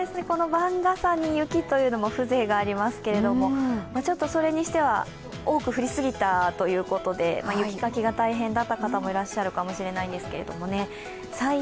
この番傘に雪というのも風情がありますけれども、ちょっとそれにしては多く降りすぎたということで雪かきが大変だった方もいらっしゃるかもしれないんですけどね。